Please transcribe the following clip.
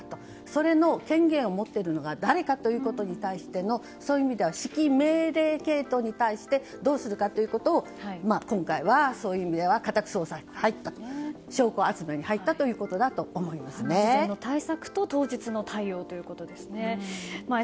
その権限を持っているのが誰かということに対しての指揮命令系統に対してどうするかということを今回は、そういう意味では家宅捜索に入った証拠集めに入ったということだと対策と当日の対応ということですね。